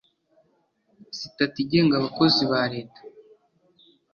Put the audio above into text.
sitati igenga abakozi ba leta